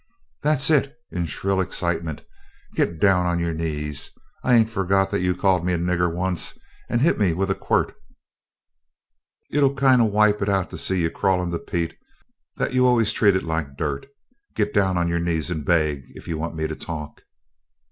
"That's it!" in shrill excitement. "Get down on your knees. I ain't forgot that you called me a 'nigger' once, and hit me with a quirt. It'll kinda wipe it out to see you crawlin' to Pete, that you always treated like dirt. Git down on your knees and beg, if you want me to talk!"